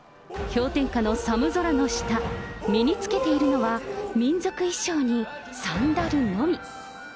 氷点下の寒空の下、身に着けているのは、民族衣装にサンダルのみ。